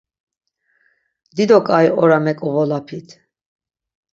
Dido ǩai ora meǩovolapit.